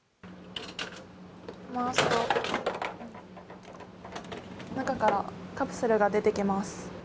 回すと中からカプセルが出てきます。